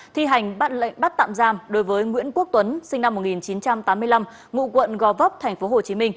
thi hành bắt lệnh bắt tạm giam đối với nguyễn quốc tuấn sinh năm một nghìn chín trăm tám mươi năm ngụ quận gò vấp tp hcm